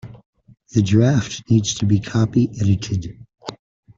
The draft needs to be copy edited